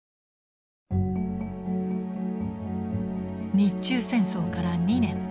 日中戦争から２年。